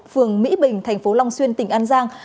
phường mỹ bình thành phố long xuyên tỉnh an giang